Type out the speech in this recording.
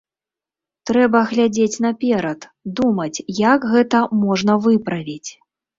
Трэба глядзець наперад, думаць, як гэта можна выправіць.